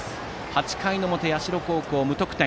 ８回の表、社高校は無得点。